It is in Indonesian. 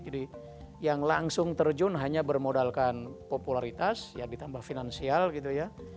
jadi yang langsung terjun hanya bermodalkan popularitas ya ditambah finansial gitu ya